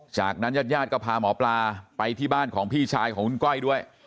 จากนั้นญาติญาติก็พาหมอปลาไปที่บ้านของพี่ชายของคุณก้อยด้วย